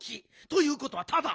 ということはタダ。